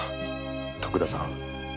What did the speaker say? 徳田さん。